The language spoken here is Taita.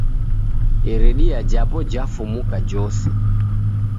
Iridia japo jafumuka jose